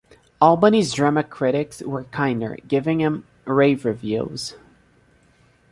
Albany's drama critics were kinder, giving him rave reviews.